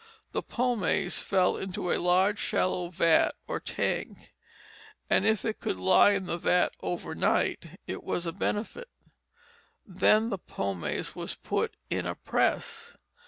The pomace fell into a large shallow vat or tank, and if it could lie in the vat overnight it was a benefit. Then the pomace was put in a press.